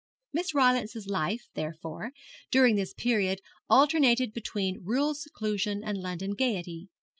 Miss Rylance's life, therefore, during this period alternated between rural seclusion and London gaiety.